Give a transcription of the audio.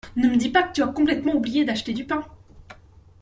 Ne me dis pas que tu as complètement oublié d’acheter du pain !